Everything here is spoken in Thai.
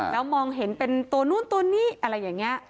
แล้วมองเห็นเป็นตัวนู้นตัวนี้อะไรอย่างนี้